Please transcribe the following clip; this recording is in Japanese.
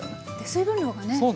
水分量がね